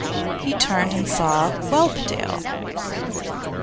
He turned and saw Whelpdale.